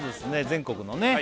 全国のね